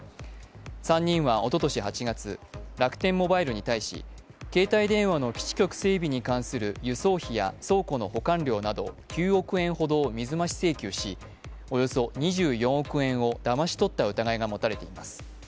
３人はおととし８月楽天モバイルに対し携帯電話の基地局整備に関する輸送費や倉庫の保管料など９億円ほどを水増し請求しおよそ２４億円をだまし取った疑いが持たれています。